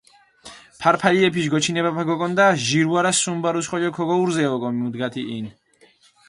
ფარფალიეფიშ გოჩინებაფა გოკონდა, ჟირ ვარა სუმ ბარუს ხოლო ქოგოურზე ოკო მუდგათ იჸინ.